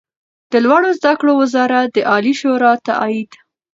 د لوړو زده کړو وزارت د عالي شورا تائید